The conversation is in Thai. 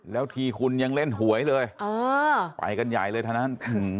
แล้วทีคุณยังเล่นหวยเลยไปกันใหญ่เลยเท่านั้น